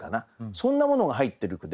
そんなものが入ってる句で。